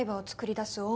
作り出す？